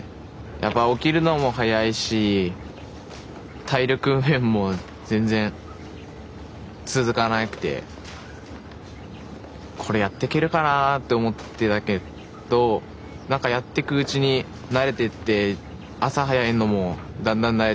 やっぱ起きるのも早いし体力面も全然続かなくてこれやってけるかなって思ってたけど何かやってくうちに慣れてって朝早いのもだんだん慣れてって。